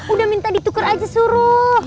udah minta dituker aja suruh